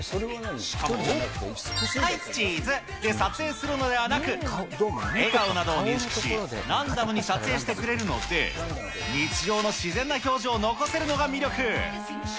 しかも、はい、チーズ！で撮影するのではなく、笑顔などを認識し、ランダムに撮影してくれるので、日常の自然な表情を残せるのが魅力。